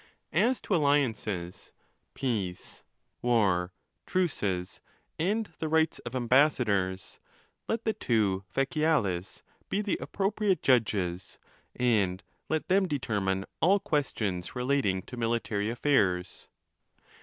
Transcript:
IX. As to alliances, peace, war, truces, and the rights of am bassadors, let the two Feciales be the appropriate judges, and let them determine all questions relating to military affairs.